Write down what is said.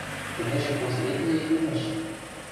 – Тӹдӹжӹ последний эдемӹш!